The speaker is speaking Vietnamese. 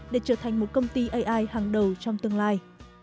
để trở thành một công ty ai hàng đầu trong tương lai